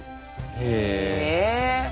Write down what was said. へえ。